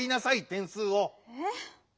えっ？